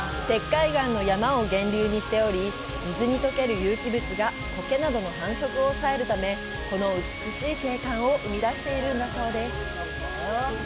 石灰岩の山を源流にしており、水に溶ける有機物がコケなどの繁殖を抑えるため、この美しい景観を生み出しているんだそうです。